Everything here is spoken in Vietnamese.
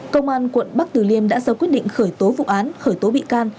công an quận bắc tử liêm đã sau quyết định khởi tố vụ án khởi tố bị can